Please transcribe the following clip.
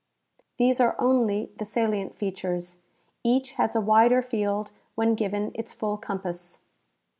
These are only the salient features. Each has a wider field when given its full compass.